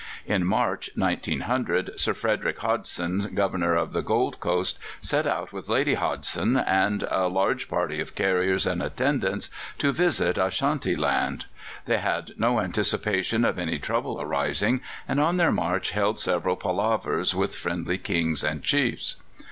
In March, 1900, Sir Frederick Hodgson, Governor of the Gold Coast, set out with Lady Hodgson and a large party of carriers and attendants to visit Ashantiland. They had no anticipation of any trouble arising, and on their march held several palavers with friendly Kings and chiefs.